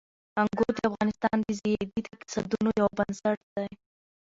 انګور د افغانستان د ځایي اقتصادونو یو بنسټ دی.